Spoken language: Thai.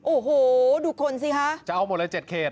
โอ้โหดูคนสิคะจะเอาหมดเลย๗เขต